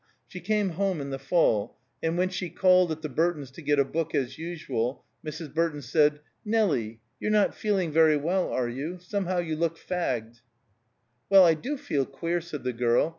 She came home in the fall, and when she called at the Burtons' to get a book, as usual, Mrs. Burton said, "Nelie, you're not feeling very well, are you? Somehow you looked fagged." "Well, I do feel queer," said the girl.